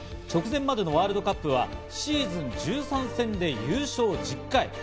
直前までのワールドカップはシーズン１３戦で優勝１０回。